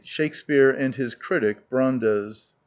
Shakespeare and his Critic, Bfandes.